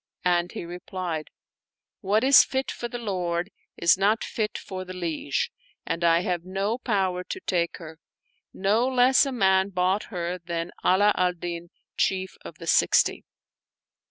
and he replied, "What is fit for the lord is not fit for the liege and I have no power to take her : no less a man bought her than Ala al Din, Chief of the Sixty."